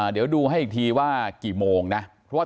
เดี๋ยวดูให้อีกทีว่ากี่โมงนะ